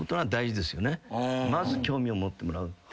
まず興味を持ってもらうって。